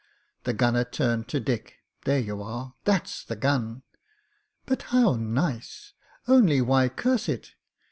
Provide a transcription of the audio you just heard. The gunner turned to Dick. "There you are — ^that's the gun." "But how nice! Only, why curse it?"